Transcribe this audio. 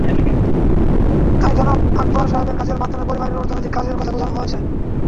তাই জনাব আকবর সাহেবের কাজের মাধ্যমে পরিবারের অর্থনৈতিক কাজের কথা বোঝানো হয়েছে।